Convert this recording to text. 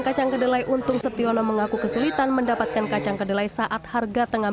kacang kedelai untung setiono mengaku kesulitan mendapatkan kacang kedelai saat harga tengah